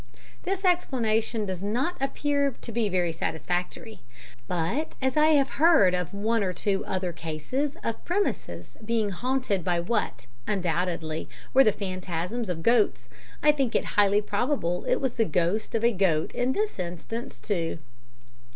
'" This explanation does not appear to be very satisfactory, but as I have heard of one or two other cases of premises being haunted by what, undoubtedly, were the phantasms of goats, I think it highly probable it was the ghost of a goat in this instance, too.